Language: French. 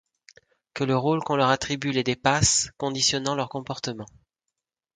Que le rôle qu'on leur attribue les dépasse, conditionnant leur comportement.